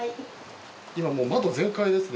今もう窓全開ですね。